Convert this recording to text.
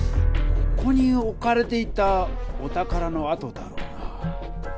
ここにおかれていたお宝のあとだろうな。